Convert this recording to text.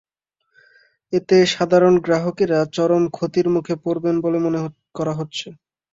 এতে সাধারণ গ্রাহকেরা চরম ক্ষতির মুখে পড়বেন বলে মনে করা হচ্ছে।